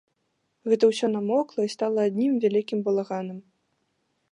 Гэта ўсё намокла і стала адным вялікім балаганам.